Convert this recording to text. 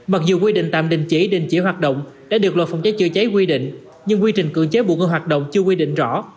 mặc dù quy định tạm đình chỉ đình chỉ hoạt động đã được luật phòng cháy chữa cháy quy định nhưng quy trình cưỡng chế buộc ngưng hoạt động chưa quy định rõ